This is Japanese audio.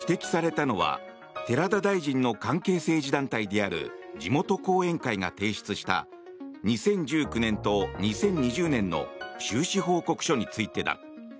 指摘されたのは寺田大臣の関係政治団体である地元後援会が提出した２０１９年と２０２０年の収支報告書についてだ。